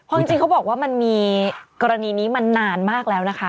จริงเขาบอกว่ามันมีกรณีนี้มานานมากแล้วนะคะ